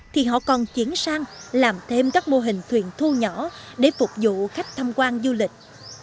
thì họ còn chuyển sang làm thêm các mô hình thuyền thu nhỏ để phục vụ khách tham quan du lịch